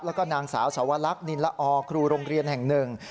แล้วก็นางสาวสวรรคนินละอครูโรงเรียนแห่งหนึ่ง